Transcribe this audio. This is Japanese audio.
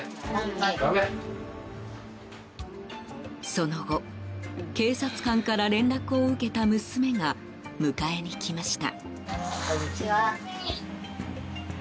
その後警察官から連絡を受けた娘が迎えにきました。